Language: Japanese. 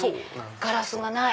ガラスがない。